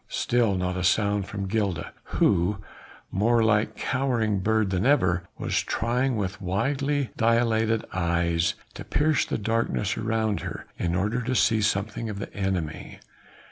Still not a sound from Gilda, who more like a cowering bird than ever was trying with widely dilated eyes to pierce the darkness around her, in order to see something of the enemy.